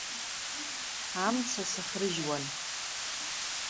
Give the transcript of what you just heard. Амца сыхрыжьуан.